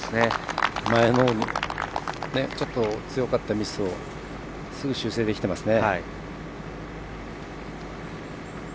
前のちょっと強かったミスをすぐ修正できてますね。